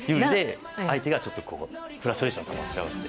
相手がフラストレーションたまっちゃうので。